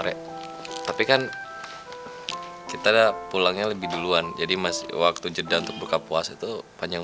sore tapi kan kita pulangnya lebih duluan jadi masih waktu jeda untuk buka puasa itu panjang